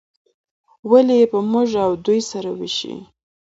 ولې یې په موږ او دوی سره ویشي.